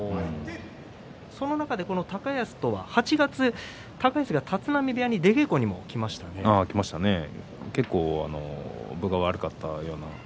その中で高安とは８月高安が立浪部屋に結構分が悪かったんですよ